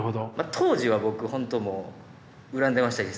当時は僕ほんともううらんでましたね。